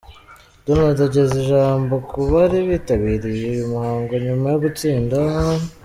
Ronaldo ageza ijambo ku bari bitabiriye uyu muhango nyuma yo gutsinda.